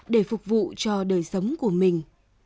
để phục vụ cho đời sống của mình